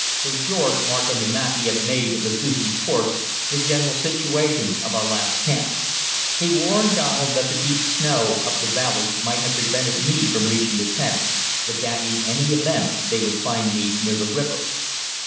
So George marked on the map he had made of the Susan's course the general situation of our last camp. He warned Donald that the deep snow up the valley might have prevented me from reaching the tent, but that in any event they would find me near the river.